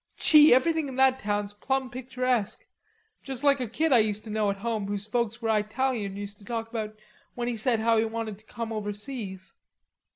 Gee, everything in that town's plumb picturesque, just like a kid I used to know at home whose folks were Eytalian used to talk about when he said how he wanted to come overseas.